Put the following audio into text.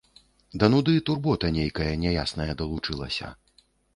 Да нуды турбота нейкая няясная далучылася.